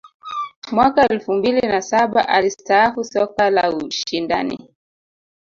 mwaka elfu mbili na saba alistaafu soka la ushindani